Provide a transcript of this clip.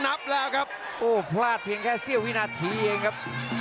นับแล้วครับโอ้พลาดเพียงแค่เสี้ยววินาทีเองครับ